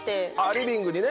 リビングにね。